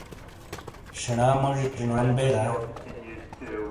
شینا موجی چینیون بے دا؟